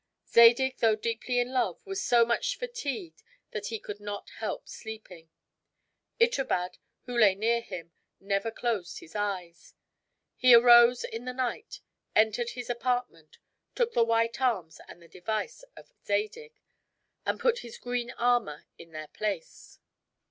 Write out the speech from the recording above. Zadig though deeply in love, was so much fatigued that he could not help sleeping. Itobad, who lay near him, never closed his eyes. He arose in the night, entered his apartment, took the white arms and the device of Zadig, and put his green armor in their place.